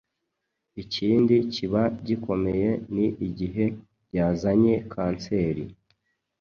Ikindi kiba gikomeye ni igihe byazanye Kanseri